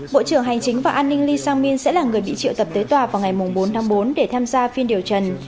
bộ trưởng hành chính và an ninh lee sang min sẽ là người bị triệu tập tới tòa vào ngày bốn tháng bốn để tham gia phiên điều trần